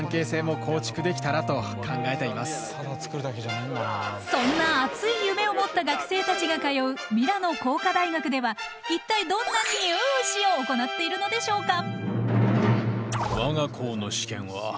おにいさんは今そんな熱い夢を持った学生たちが通うミラノ工科大学では一体どんなニュー試を行っているのでしょうか？